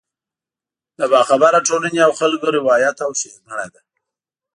د باخبره ټولنې او خلکو روایت او ښېګړه ده.